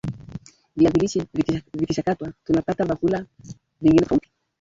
viazi lishe vikichakatwa tuna pata vyakula vingine tofauti